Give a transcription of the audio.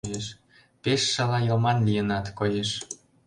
Пеш шала йылман лийынат, коеш.